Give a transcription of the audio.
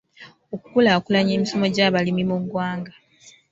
Okukulaakulanya emisomo gy'abalimi mu ggwanga.